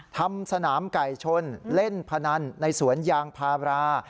ทำสนามไก่ชนเล่นพนันในสวนยางพารา